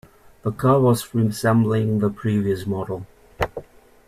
The car was resembling the previous model.